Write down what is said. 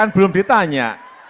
oh iya belum ditanya